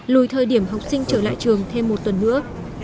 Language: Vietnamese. lùi thời điểm học sinh trở lại trường thêm một tuần nữa